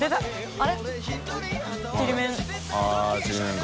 あっちりめんか。